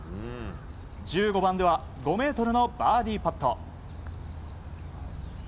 １５番では５ｍのバーディーパット。